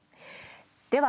では